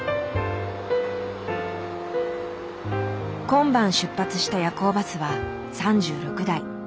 今晩出発した夜行バスは３６台。